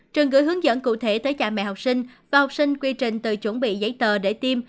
trường gửi hướng dẫn cụ thể tới cha mẹ học sinh và học sinh quy trình từ chuẩn bị giấy tờ để tiêm